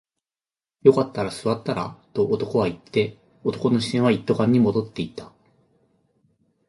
よかったら座ったらと男は言って、男の視線は一斗缶に戻っていた